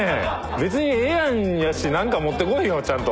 べつにええやんやし何か持ってこいよちゃんと。